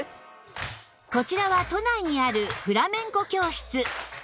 こちらは都内にあるフラメンコ教室